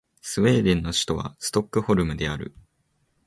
スウェーデンの首都はストックホルムである